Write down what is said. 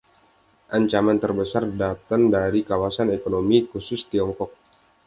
Ancaman terbesar datan dari Kawasan Ekonomi Khusus Tiongkok.